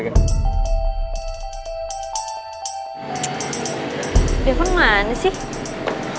telepon kemana sih